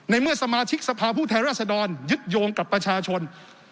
เมื่อสมาชิกสภาพผู้แทนราชดรยึดโยงกับประชาชน